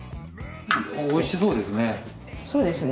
おいしそうですね。